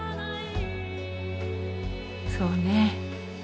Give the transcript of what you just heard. そうね。